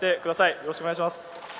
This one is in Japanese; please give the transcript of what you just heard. よろしくお願いします。